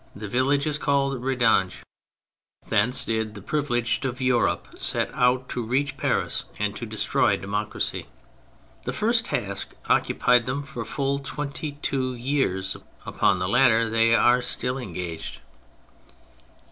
The village is called Redange : thence did the privileged of Europe set out to reach Paris and to destroy democracy. The first task occupied them for full twenty two years, upon the latter they are still engaged.